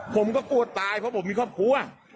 ผมก็กลัวตายเพราะผมมีครอบครัว